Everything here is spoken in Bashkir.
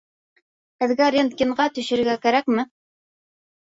Һеҙгә рентгенға төшөргә кәрәкме?